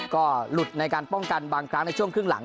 ก็หลุดในการป้องกันบางครั้งในช่วงครึ่งหลัง